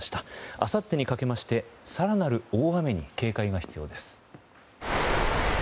あさってにかけまして更なる大雨に警戒が必要です。